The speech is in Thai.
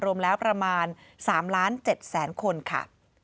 รวมแล้วประมาณ๓ล้าน๗แสนคนค่ะ